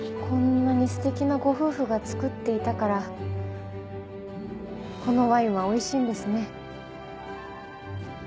こんなにステキなご夫婦が造っていたからこのワインはおいしいんですね。